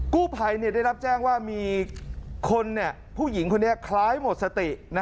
กู้ภัยได้รับแจ้งว่ามีคนผู้หญิงคนนี้คล้ายหมดสติ